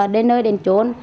đến nơi đến trốn